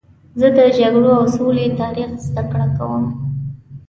زه د جګړو او سولې تاریخ زدهکړه کوم.